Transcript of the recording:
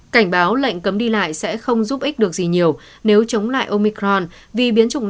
cảnh báo lệnh cấm đi lại sẽ không giúp ích được gì nhiều nếu chống lại omicron